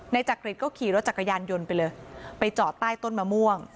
จักริตก็ขี่รถจักรยานยนต์ไปเลยไปจอดใต้ต้นมะม่วง